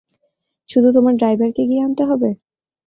শুধু তোমার ড্রাইভারকে গিয়ে আনতে হবে?